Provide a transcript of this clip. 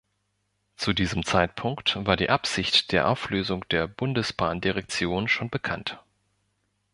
Zu diesem Zeitpunkt war die Absicht der Auflösung der Bundesbahndirektion schon bekannt.